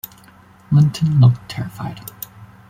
Linton looked terrified.